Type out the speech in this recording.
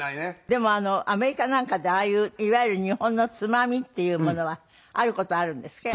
でもアメリカなんかでああいういわゆる日本のつまみっていうものはある事はあるんですか？